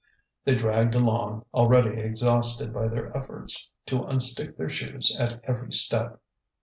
They draggled along, already exhausted by their efforts to unstick their shoes at every step.